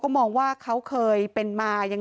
แล้วมันกลายเป็นข่าว